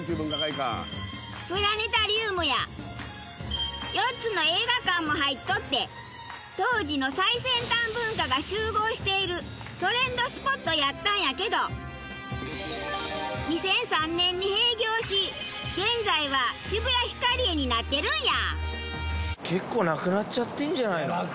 プラネタリウムや４つの映画館も入っとって当時の最先端文化が集合しているトレンドスポットやったんやけど２００３年に閉業し現在は渋谷ヒカリエになってるんや。